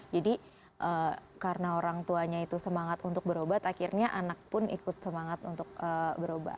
jadi karena orang tuanya itu semangat untuk berobat akhirnya anak pun ikut semangat untuk berobat